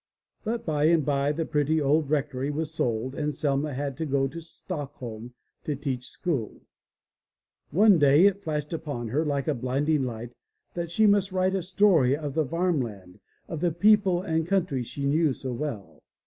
But by and by the pretty old rectory was sold and Selma had to go to Stockholm to teach school. One day it flashed upon her like a blinding light that she must write a story of the Varmland, of the people and country she knew so well.